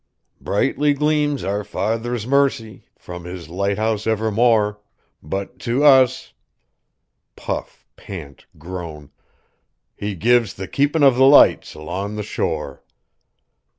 'Brightly gleams our Father's mercy, From His lighthouse evermore; But to us '" puff, pant, groan! "_'He gives the keepin' of the lights alon' the shore!